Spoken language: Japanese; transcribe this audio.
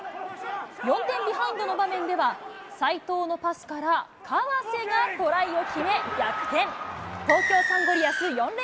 ４点ビハインドの場面では、齋藤のパスから河瀬がトライを決め逆転。